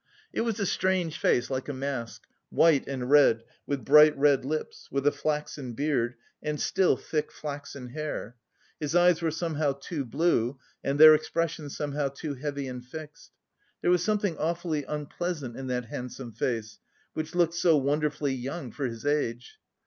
It was a strange face, like a mask; white and red, with bright red lips, with a flaxen beard, and still thick flaxen hair. His eyes were somehow too blue and their expression somehow too heavy and fixed. There was something awfully unpleasant in that handsome face, which looked so wonderfully young for his age.